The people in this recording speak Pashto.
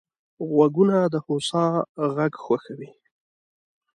غوږونه د هوسا غږ خوښوي